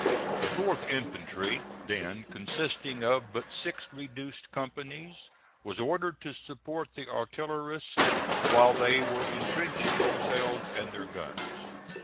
The 4th infantry, then consisting of but six reduced companies, was ordered to support the artillerists while they were intrenching themselves and their guns.